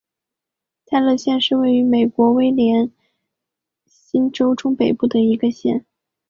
泰勒县是位于美国威斯康辛州中北部的一个县。